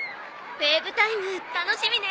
ウェーブ・タイム楽しみね。